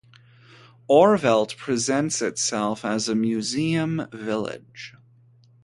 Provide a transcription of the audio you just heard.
Orvelte presents itself as a museum village.